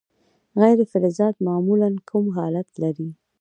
غیر فلزات معمولا کوم حالت لري.